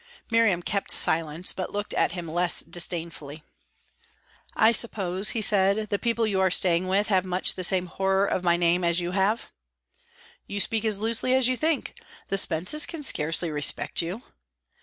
Miriam kept silence, but looked at him less disdainfully. "I suppose," he said, "the people you are staying with have much the same horror of my name as you have." "You speak as loosely as you think. The Spences can scarcely respect you."